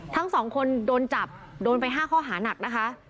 ทั้งสองคนโดนจับโดนไป๕ข้อหานักนะคะ